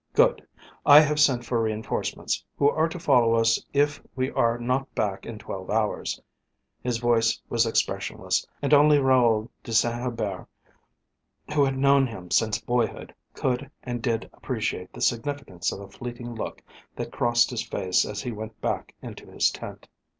Good! I have sent for reinforcements, who are to follow us if we are not back in twelve hours." His voice was expressionless, and only Raoul de Saint Hubert, who had known him since boyhood, could and did appreciate the significance of a fleeting look that crossed his face as he went back into the tent.